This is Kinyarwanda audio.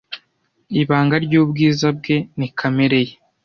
Ibanga ryubwiza bwe ni kamere ye.